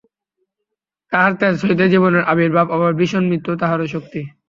তাঁহার তেজ হইতেই জীবনের আবির্ভাব, আবার ভীষণ মৃত্যুও তাঁহারই শক্তি।